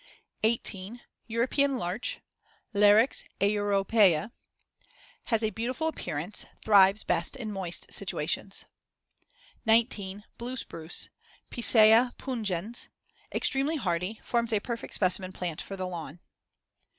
18. European larch (Larix europaea) Has a beautiful appearance; thrives best in moist situations. 19. Blue spruce (Picea pungens) Extremely hardy; forms a perfect specimen plant for the lawn.